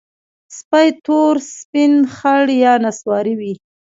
سپي تور، سپین، خړ یا نسواري وي.